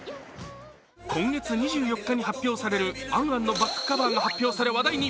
今月２４日に発表される「ａｎａｎ」のバックカバーが発表され話題に。